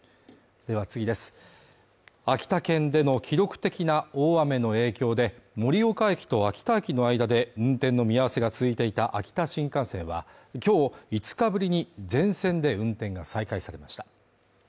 秋田県での記録的な大雨の影響で盛岡駅と秋田駅の間で運転の見合わせが続いていた秋田新幹線は、今日５日ぶりに全線で運転が再開されました。